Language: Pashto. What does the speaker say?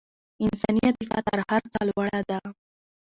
انساني عاطفه تر هر څه لوړه ده.